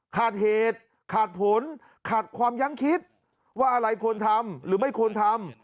ขาดเหตุขาดผลขาดความยั้งคิดว่าอะไรควรทำหรือไม่ควรทำ